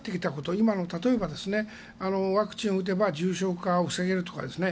今の、例えばワクチンを打てば重症化を防げるとかですね。